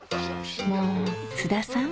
もう津田さん！